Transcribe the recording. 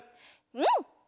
うん！